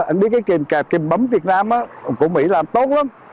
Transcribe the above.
anh biết cái kèm cạp kèm bấm việt nam của mỹ làm tốt lắm